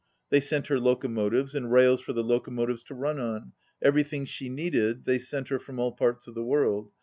"They sent her locomotives, and rails for the loco motives to run on, everything she needed they sent . her from all parts of the world.